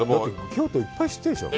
京都いっぱい知ってるでしょう？